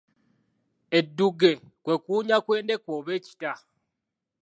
Eddugge kwe kuwunya kw'endeku oba ekita.